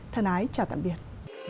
thân ái chào tạm biệt